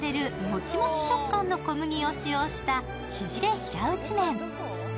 モチモチ食感の小麦を使用した縮れ平打ち麺。